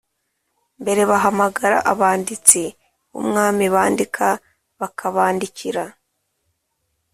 mbere bahamagara abanditsi b umwami bandika bakabandikira